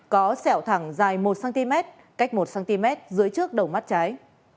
có sẹo thẳng dài một cm cách một cm dưới trước đầu mắt trái